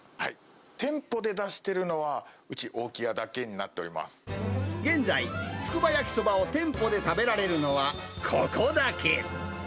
店舗で出しているのは、うち、現在、つくば焼きそばを店舗で食べられるのは、ここだけ。